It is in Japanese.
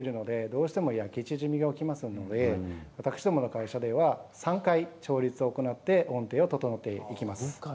粘土を素材にしているので焼き縮みがおきますので私どもの会社では３回調律を行って音程を整えています。